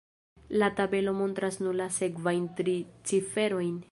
La tabelo montras nur la sekvajn tri ciferojn.